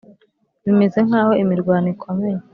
bimeze nk'aho imirwano ikomeye